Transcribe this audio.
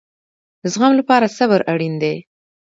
د زغم لپاره صبر اړین دی